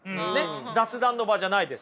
雑談の場じゃないですから。